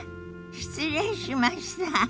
失礼しました。